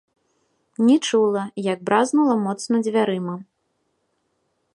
Не чула, як бразнула моцна дзвярыма.